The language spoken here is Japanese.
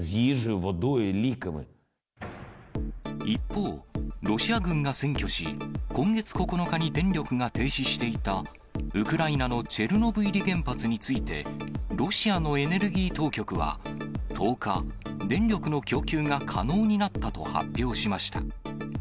一方、ロシア軍が占拠し、今月９日に電力が停止していた、ウクライナのチェルノブイリ原発について、ロシアのエネルギー当局は１０日、電力の供給が可能になったと発表しました。